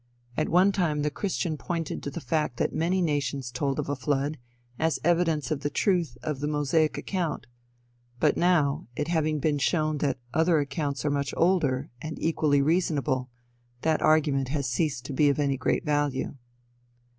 At one time the christian pointed to the fact that many nations told of a flood, as evidence of the truth of the Mosaic account; but now, it having been shown that other accounts are much older, and equally reasonable, that argument has ceased to be of any great value.